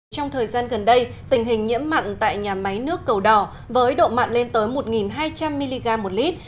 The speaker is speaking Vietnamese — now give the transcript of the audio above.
trong thời gian gần đây tình hình nhiễm mặn tại nhà máy nước cầu đỏ với độ mặn lên tới một hai trăm linh mg một lít